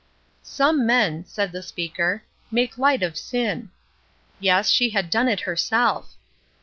"Some men," said the speaker, "make light of sin." Yes, she had done it herself.